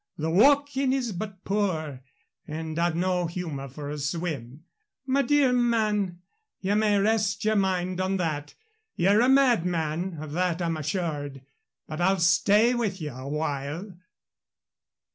The walking is but poor, and I've no humor for a swim. My dear man, ye may rest your mind on that ye're a madman of that I'm assured. But I'll stay with ye awhile."